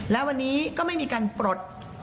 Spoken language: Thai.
และวันนี้ก็ไม่มีการปลด